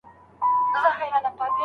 لارښود استاد د مقالې کومه بڼه باید وګوري؟